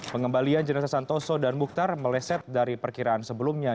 pengembalian jenazah santoso dan mukhtar meleset dari perkiraan sebelumnya